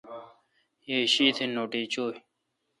یی شیتھ نوٹی چوی۔